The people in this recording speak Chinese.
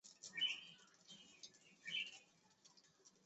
这可以被看作是多面体和星形多面体的复合体。